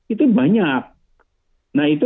itu banyak nah itu